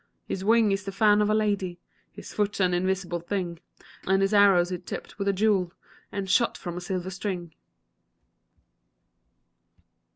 His wing is the fan of a lady, His foot's an invisible thing, And his arrow is tipp'd with a jewel And shot from a silver string.